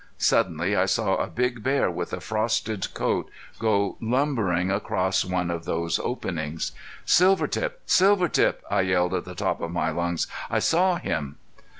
Suddenly I saw a big bear with a frosted coat go lumbering across one of these openings. "Silvertip! Silvertip!" I yelled at the top of my lungs. "I saw him!"